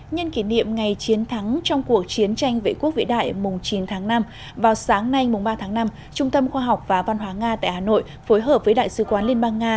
nhân kỷ niệm ngày chiến thắng trong cuộc chiến tranh vệ quốc vĩ đại mùng chín tháng năm vào sáng nay mùng ba tháng năm trung tâm khoa học và văn hóa nga tại hà nội phối hợp với đại sứ quán liên bang nga